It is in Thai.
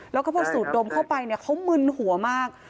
แล้วก็พวกสูทดมเข้าไปเขามึนหัวมาก